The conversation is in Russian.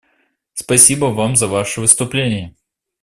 Спасибо Вам за Ваше выступление.